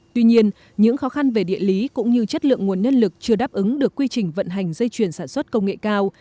tuy nhiên những khó khăn về địa lý cũng như chất lượng nguồn nhân lực chưa đáp ứng được quy trình vận hành dây chuyển sản xuất công nghệ cao